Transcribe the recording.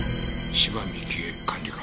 芝美紀江管理官。